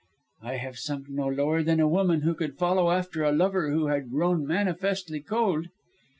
"I have sunk no lower than a woman who could follow after a lover who had grown manifestly cold."